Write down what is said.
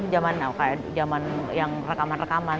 zaman yang rekaman rekaman